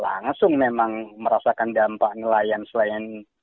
langsung memang merasakan dampak nelayan selain